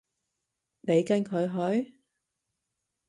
你跟佢去？